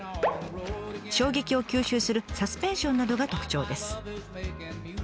衝撃を吸収するサスペンションなどが特徴です。